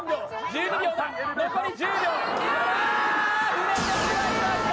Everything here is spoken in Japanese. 触れてしまいました！